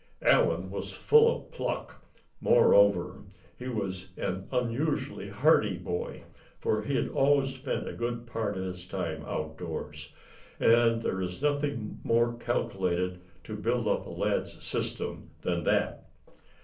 Allan was full of pluck. Moreover, he was an unusually hardy boy, for he had always spent a good part of his time outdoors; and there is nothing more calculated to build up a lad's system than that.